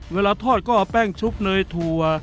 เวลาทอดก็เอาแป้งชุบเนยถั่ว